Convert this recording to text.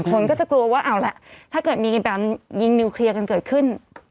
คนก็จะกลัวว่าเอาล่ะถ้าเกิดมีการยิงนิวเคลียร์กันเกิดขึ้น